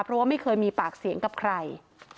เพราะว่าไม่เคยมีปากเสียงกับใคร